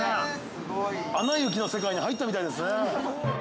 ◆「アナ雪」の世界に入ったみたいですね。